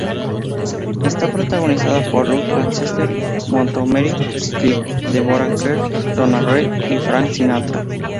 Esta protagonizada por Burt Lancaster, Montgomery Clift, Deborah Kerr, Donna Reed y Frank Sinatra.